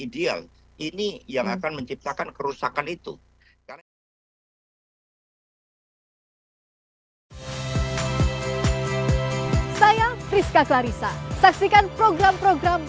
dan itu adalah hal hal yang tidak bisa menjadi gambaran